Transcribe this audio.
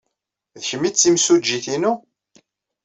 D kemm ay d timsujjit-inu?